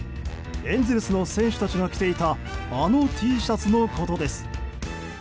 エンゼルスの選手たちが着ていたあのＴシャツのことです。